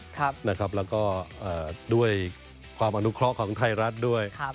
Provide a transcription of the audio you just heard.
แล้วก็ด้วยความอนุเคราะห์ของไทยรัฐด้วย